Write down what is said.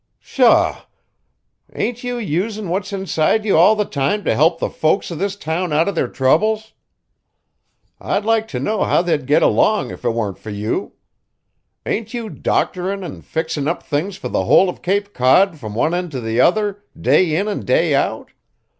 "Pshaw! Ain't you usin' what's inside you all the time to help the folks of this town out of their troubles? I'd like to know how they'd get along if it warn't fur you. Ain't you doctorin' an' fixin' up things for the whole of Cape Cod from one end to the other, day in and day out?